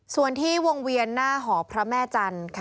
ส่วนที่วงเวียนหน้าหอพระแม่จันทร์ค่ะ